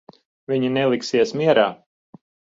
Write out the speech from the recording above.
Viņi neliksies mierā.